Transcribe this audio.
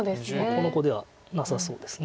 この碁ではなさそうです。